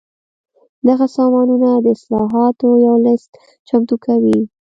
دغه سازمانونه د اصلاحاتو یو لېست چمتو کوي.